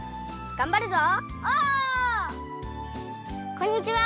こんにちは。